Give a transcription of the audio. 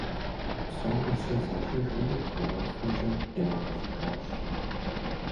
Псоми зы защIыжри къуэ уэхымкIэ ирагъэзыхащ.